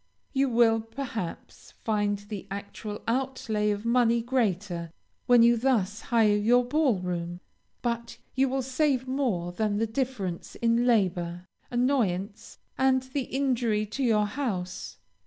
You will, perhaps, find the actual outlay of money greater, when you thus hire your ball room, but you will save more than the difference in labor, annoyance, and the injury to your house.